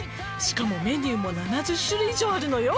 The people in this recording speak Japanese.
「しかもメニューも７０種類以上あるのよ」